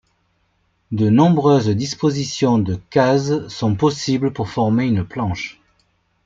De nombreuses dispositions de cases sont possibles pour former une planche.